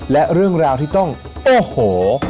และเรื่องราวที่ต้องโอ้โห